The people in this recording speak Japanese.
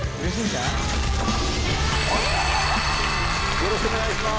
よろしくお願いします。